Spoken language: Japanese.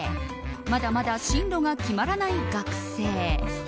まだまだ進路が決まらない学生。